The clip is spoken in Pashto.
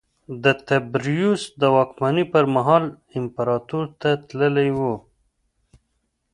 د تبریوس د واکمنۍ پرمهال امپراتور ته تللی و